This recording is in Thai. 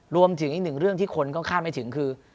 รวมถึงอีกหนึ่งเรื่องที่คนก็คาดไม่ถึงคือ